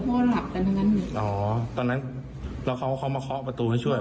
เพราะว่าหลับกันดังนั้นเหรออ๋อตอนนั้นแล้วเขาเข้ามาเคาะประตูให้ช่วยเหรอ